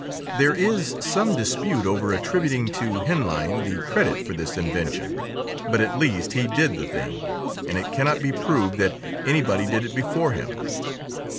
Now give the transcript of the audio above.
There is some dispute over attributing to Henlein the credit for this invention; but at least he did the thing, and it cannot be proved that anybody did it before him.